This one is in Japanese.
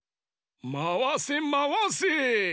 まわせまわせ。